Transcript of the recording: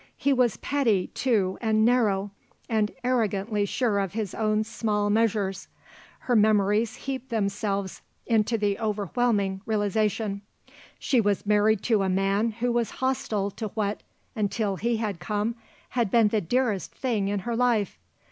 He was petty, too, and narrow, and arrogantly sure of his own small measures. Her memories heaped themselves into the overwhelming realisation. She was married to a man who was hostile to what until he had come had been the dearest thing in her life.